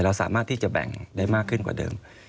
สามารถที่จะแบ่งได้มากขึ้นกว่าเดิม